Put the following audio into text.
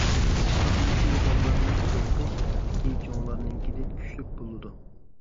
چۈنكى بالىلارنىڭ قىزىقىش ئىستىكى چوڭلارنىڭكىدىن كۈچلۈك بولىدۇ.